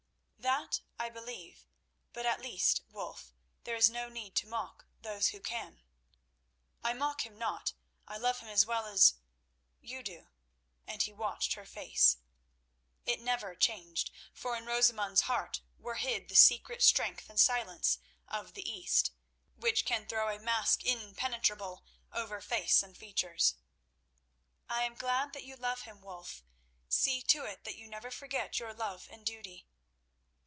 "That I believe, but at least, Wulf, there is no need to mock those who can." "I mock him not. I love him as well as—you do." And he watched her face. It never changed, for in Rosamund's heart were hid the secret strength and silence of the East, which can throw a mask impenetrable over face and features. "I am glad that you love him, Wulf. See to it that you never forget your love and duty."